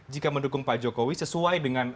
jika mendukung pak jokowi sesuai dengan